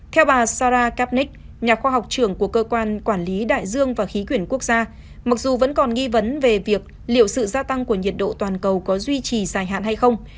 theo bà sarah kapnic nhà khoa học trưởng của cơ quan quản lý đại dương và khí quyển quốc gia mặc dù vẫn còn nghi vấn về việc liệu sự gia tăng của nhiệt độ toàn cầu có duy trì dài hạn hay không